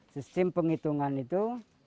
sistem penghitungan itu